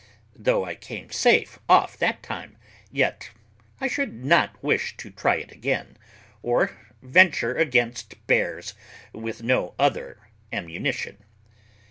Though I came safe off that time, yet I should not wish to try it again, or venture against bears with no other ammunition.